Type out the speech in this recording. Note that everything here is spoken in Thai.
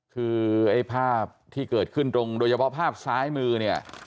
คือไอ้ภาพที่เกิดขึ้นตรงโดยเฉพาะภาพซ้ายมือเนี่ย